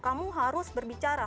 kamu harus berbicara